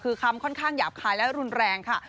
คือคำค่อนข้างหยาบคายและรุนแรงค่ะ